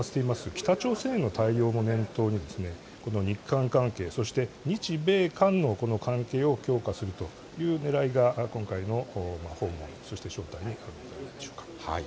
北朝鮮への対応も念頭に日韓関係、そして日米韓の関係を強化するというねらいが今回の訪問、そして招待でしょうか。